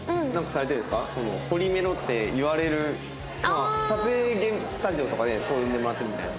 ほりめろって言われるのは撮影スタジオとかでそう呼んでもらってるみたいな？